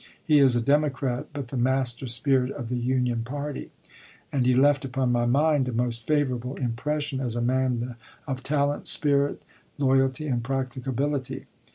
He is a Democrat, but the master spirit of the Union party, and he left upon my mind a most favorable impression as a man of talent, spirit, loyalty, and practicability.